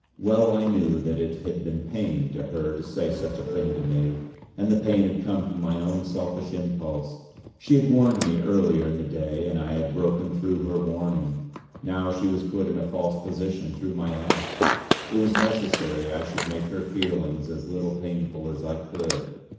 Well I knew, that it had been pain to her to say such a thing to me; and the pain had come from my own selfish impulse. She had warned me earlier in the day, and I had broken through her warning. Now she was put in a false position through my act; it was necessary I should make her feelings as little painful as I could.